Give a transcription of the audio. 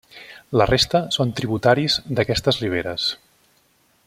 La resta són tributaris d'aquestes riberes.